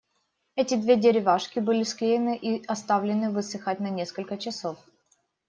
Эти две деревяшки были склеены и оставлены высыхать на насколько часов.